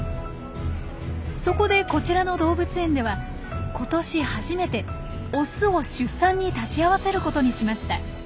そこでこちらの動物園では今年初めてオスを出産に立ち会わせることにしました。